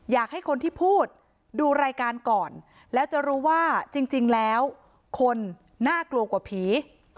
อยากให้คนที่พูดดูรายการก่อนแล้วจะรู้ว่าจริงแล้วคนน่ากลัวกว่าผี